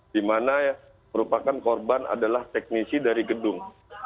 di mana merupakan korban adalah teknisi dari gedung